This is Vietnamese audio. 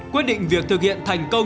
quyết định việc thực hiện thành công